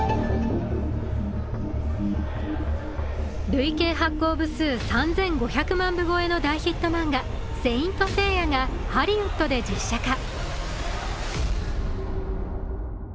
累計発行部数３５００万部超えの大ヒット漫画、「聖闘士星矢」がハリウッドで実写化。